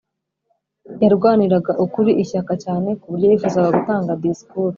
Yarwaniraga ukuri ishyaka cyane ku buryo yifuzaga gutanga disikuru